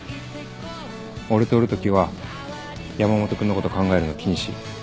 俺とおるときは山本君のこと考えるの禁止。